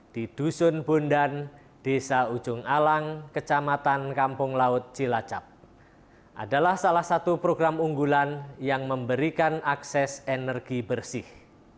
di dusun bondan desa ujung alang kecamatan kampung laut cilacap adalah salah satu program unggulan yang memberikan akses energi bersih